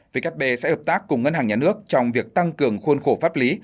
vkp sẽ hợp tác cùng ngân hàng nhà nước trong việc tăng cường khuôn khổ pháp lý